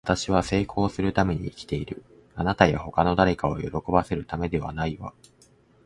私は成功するために生きている。あなたや他の誰かを喜ばせるためではないわ。